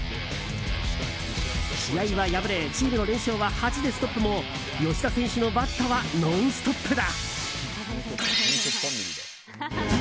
試合は敗れチームの連勝は８でストップも吉田選手のバットはノンストップだ！